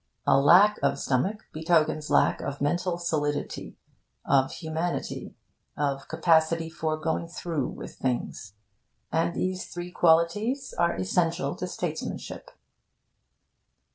A lack of stomach betokens lack of mental solidity, of humanity, of capacity for going through with things; and these three qualities are essential to statesmanship.